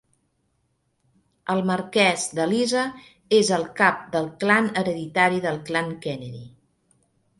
El marquès d'Alisa és el cap del clan hereditari del clan Kennedy.